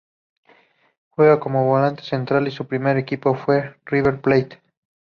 Juega como volante central y su primer equipo fue River Plate.